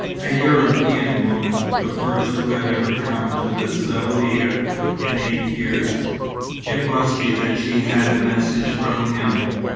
A European woman, the first who had ever come to the Zaouïa in eight years! It must be that she had a message from him.